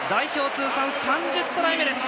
通算３０トライ目。